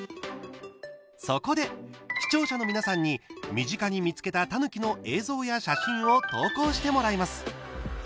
そこで、視聴者の皆さんに身近に見つけた、たぬきの映像や写真を投稿してもらいます。